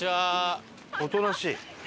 おとなしい！